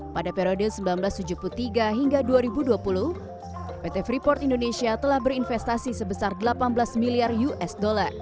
pada periode seribu sembilan ratus tujuh puluh tiga hingga dua ribu dua puluh pt freeport indonesia telah berinvestasi sebesar delapan belas miliar usd